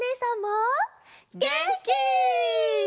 げんき！